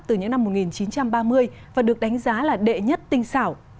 từ những năm một nghìn chín trăm ba mươi và được đánh giá là đệ nhất tinh xảo